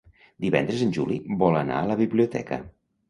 Divendres en Juli vol anar a la biblioteca.